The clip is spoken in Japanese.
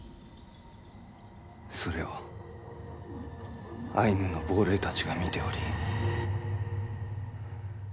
それをアイヌの亡霊たちが見ており。